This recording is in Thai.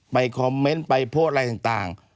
ไปคอมเมนต์ไปโพสต์อะไรต่าง